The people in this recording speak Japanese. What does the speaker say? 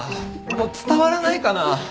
伝わらないかな